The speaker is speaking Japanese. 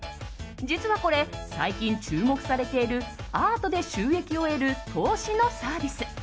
実はこれ、最近注目されているアートで収益を得る投資のサービス。